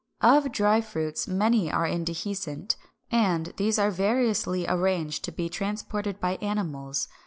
Of dry fruits many are indehiscent; and these are variously arranged to be transported by animals.